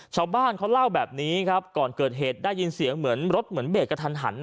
ชาวบ้านเขาเล่าแบบนี้ครับก่อนเกิดเหตุได้ยินเสียงเหมือนรถเหมือนเบรกกระทันหัน